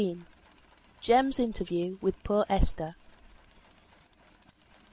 JEM'S INTERVIEW WITH POOR ESTHER.